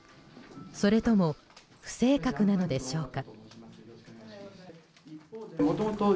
それとも不正確なのでしょうか。